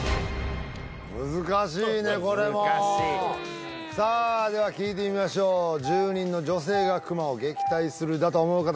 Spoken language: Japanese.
難しいねこれも難しいさあでは聞いてみましょう住人の女性がクマを撃退するだと思う方